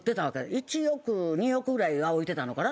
１億２億ぐらいは置いてたかな。